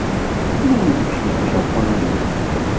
Kenwi mačči d ijapuniyen.